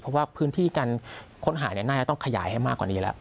เพราะว่าพื้นที่การค้นหาน่าจะต้องขยายให้มากกว่านี้แล้ว